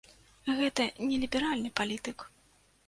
Гэта не ліберальны палітык.